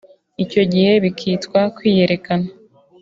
icyo gihe bikitwa “kwiyerekana”